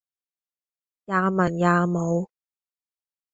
也文也武